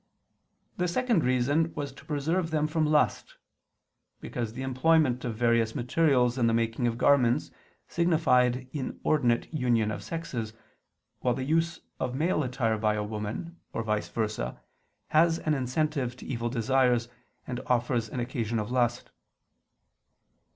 The second reason was to preserve them from lust: because the employment of various materials in the making of garments signified inordinate union of sexes, while the use of male attire by a woman, or vice versa, has an incentive to evil desires, and offers an occasion of lust.